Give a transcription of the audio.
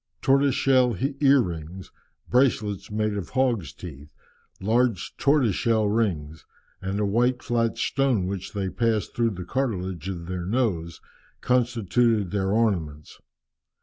Tortoise shell ear rings, bracelets made of hogs' teeth, large tortoise shell rings, and a white flat stone which they passed through the cartilage of the nose, constituted their ornaments.